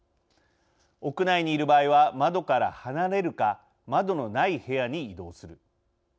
屋内にいる場合は窓から離れるか窓のない部屋に移動する。